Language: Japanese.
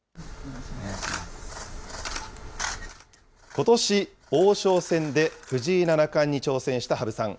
ことし、王将戦で藤井七冠に挑戦した羽生さん。